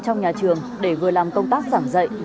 trong nhà trường để vừa làm công tác giảm dậy